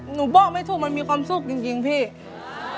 บอกไม่ถูกมันมีความสุขจริงพี่